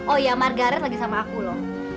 oh ya margaret lagi sama aku loh